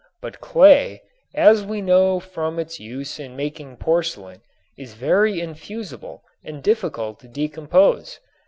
But clay, as we know from its use in making porcelain, is very infusible and difficult to decompose.